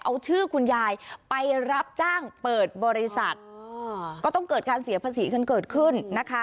เอาชื่อคุณยายไปรับจ้างเปิดบริษัทก็ต้องเกิดการเสียภาษีกันเกิดขึ้นนะคะ